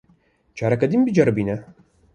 Careke din biceribîne.